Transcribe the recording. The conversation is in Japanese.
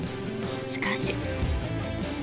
しかし。